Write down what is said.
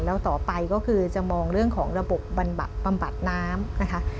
แล้วต่อไปก็คือจะมองเรื่องของระบบบำบัดน้ำนะคะ